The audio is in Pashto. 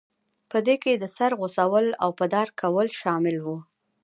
په دې کې د سر غوڅول او په دار کول شامل وو.